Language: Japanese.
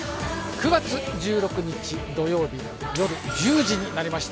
９月１６日土曜日、夜１０時になりました。